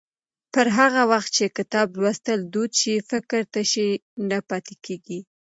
پر هغه وخت چې کتاب لوستل دود شي، فکري تشې نه پاتې کېږي.